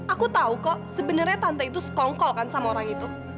aku tahu kok sebenarnya tante itu sekongkol kan sama orang itu